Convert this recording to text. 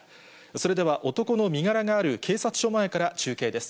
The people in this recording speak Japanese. それでは、男の身柄がある警察署前から中継です。